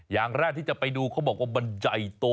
อย่างแรกที่จะไปดูเขาบอกว่ามันใหญ่โต